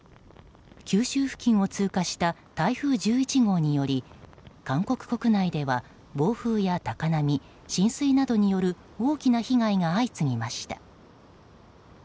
九州付近を通過した台風１１号により韓国国内では、暴風や高波浸水などによる大きな被害が相次ぎました。